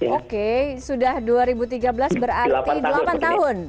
oke sudah dua ribu tiga belas berarti delapan tahun